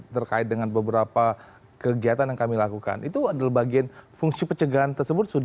terkait dengan beberapa kegiatan yang kami lakukan itu adalah bagian fungsi pencegahan tersebut